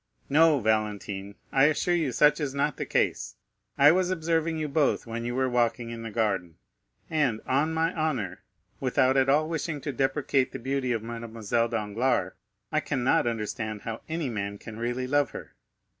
"No, Valentine, I assure you such is not the case. I was observing you both when you were walking in the garden, and, on my honor, without at all wishing to depreciate the beauty of Mademoiselle Danglars, I cannot understand how any man can really love her."